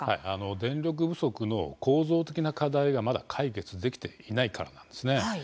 電力不足の構造的な課題がまだ解決できていないからなんですね。